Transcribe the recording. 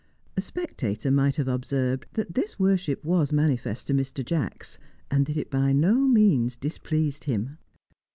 A spectator might have observed that this worship was manifest to Mr. Jacks, and that it by no means displeased him.